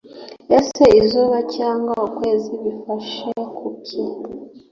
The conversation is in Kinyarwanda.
Ese izuba cyangwa ukwezi bifashe kuki